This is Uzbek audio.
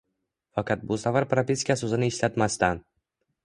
Faqat bu safar "propiska" so'zini ishlatmasdan